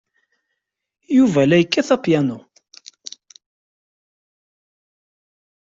Yuba la yekkat apyanu.